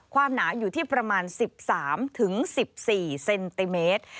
หนาอยู่ที่ประมาณ๑๓๑๔เซนติเมตร